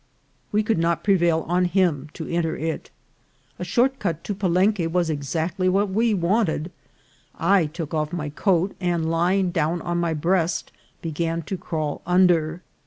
We could not prevail on him to enter it. A short cut to Palen que was exactly what we wanted. I took off my coat, and, lying down on my breast, began to crawl under.